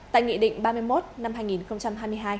tại nghị định ba mươi một năm hai nghìn hai mươi hai